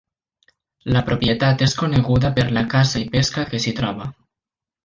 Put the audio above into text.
La propietat és coneguda per la caça i pesca que s'hi troba.